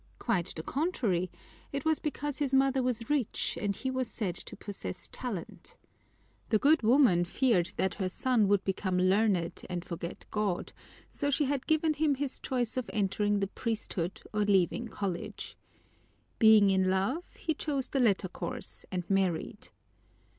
Quite the contrary, it was because his mother was rich and he was said to possess talent. The good woman feared that her son would become learned and forget God, so she had given him his choice of entering the priesthood or leaving college. Being in love, he chose the latter course and married.